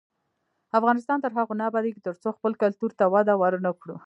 افغانستان تر هغو نه ابادیږي، ترڅو خپل کلتور ته وده ورنکړو.